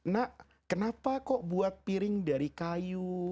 nak kenapa kok buat piring dari kayu